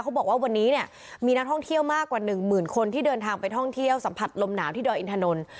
บอกว่าวันนี้เนี่ยมีนักท่องเที่ยวมากกว่าหนึ่งหมื่นคนที่เดินทางไปท่องเที่ยวสัมผัสลมหนาวที่ดอยอินทนนท์